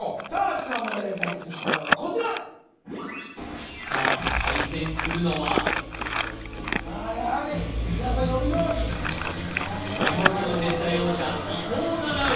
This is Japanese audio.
辞書の問題で対決する東大王はこちらさあ対戦するのはああやはり伊沢さん読みどおり日本語の絶対王者伊藤七海